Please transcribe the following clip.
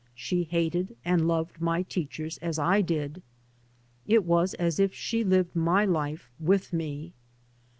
She hated and loved my teachers as I did. It was as if she lived my life with me.